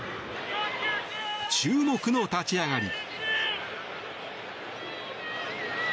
注目の立ち上がり。